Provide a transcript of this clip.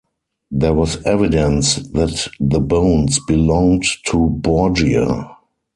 There was evidence that the bones belonged to Borgia.